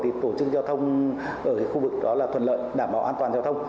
thì tổ chức giao thông ở khu vực đó là thuận lợi đảm bảo an toàn giao thông